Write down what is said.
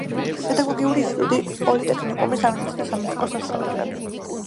პედაგოგიური ინსტიტუტი, პოლიტექნიკუმი, სამედიცინო, სამუსიკო სასწავლებლები.